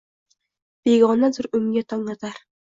Begonadir unga tongotar